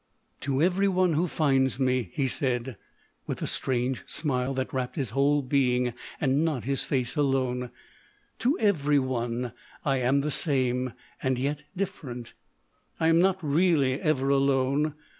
44 To every one who finds me," he said, with the strange smile that wrapped his whole being and not his face alone, " to every one I am the same, and THE OLD MAN OF VISIONS 275 yet different. I am not really ever alone.